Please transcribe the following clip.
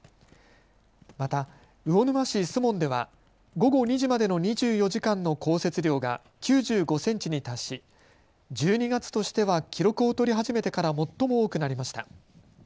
また魚沼市守門では午後２時までの２４時間の降雪量が９５センチに達し、１２月としては記録を取り始めてから最も多くなりました。